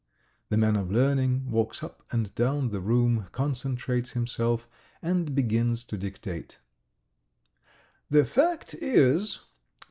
The man of learning walks up and down the room, concentrates himself, and begins to dictate: "The fact is